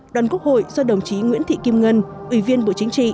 đoàn quốc hội do đồng chí nguyễn thị kim ngân ủy viên bộ chính trị